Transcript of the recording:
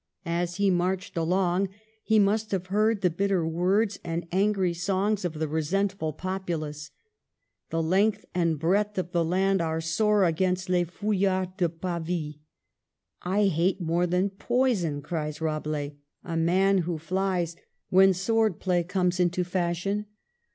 As he marched along he must have heard the bitter words and angry songs of the resentful populace. The length and breadth of the land was sore against les ftiyards de Pavie. " I hate more than poison," cries Rabelais, " a man who flies when sword play 8o MARGARET OF ANG0UL:^ME. comes into fashion.